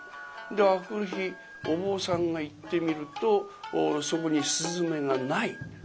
で明くる日お坊さんが行ってみるとそこに雀がない。